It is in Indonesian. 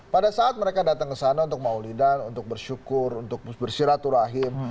pada saat mereka datang ke sana untuk maulidah untuk bersyukur untuk bersyirat urahim